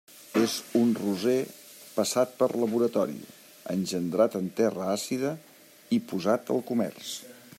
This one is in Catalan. És un roser passat per laboratori, engendrat en terra àcida i posat al comerç.